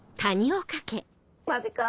・マジか。